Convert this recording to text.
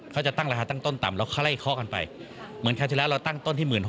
เขาจะตั้งราคาตั้งต้นต่ำแล้วค่อยไล่เคาะกันไปเหมือนคราวที่แล้วเราตั้งต้นที่๑๖๐๐